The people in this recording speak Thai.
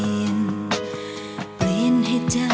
อินโทรเพลงที่๓มูลค่า๔๐๐๐๐บาทมาเลยครับ